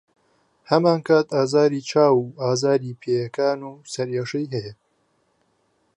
هەمانکات ئازاری چاو و ئازاری پێیەکان و سەرئێشەی هەیە.